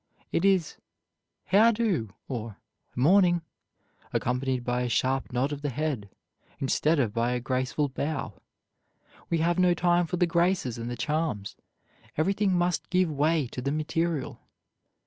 It is: "How do?" or "Morning," accompanied by a sharp nod of the head, instead of by a graceful bow. We have no time for the graces and the charms. Everything must give way to the material.